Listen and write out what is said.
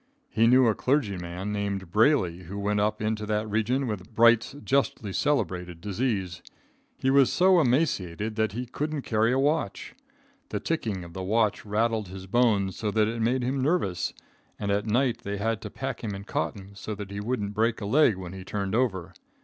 He knew a clergyman named Brayley who went up into that region with Bright's justly celebrated disease. He was so emaciated that he couldn't carry a watch. The ticking of the watch rattled his bones so that it made him nervous, and at night they had to pack him in cotton so that he wouldn't break a leg when he turned over.